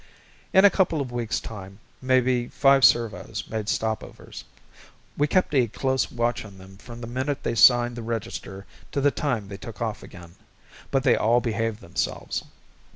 In a couple of weeks' time maybe five servos made stopovers. We kept a close watch on them from the minute they signed the register to the time they took off again, but they all behaved themselves.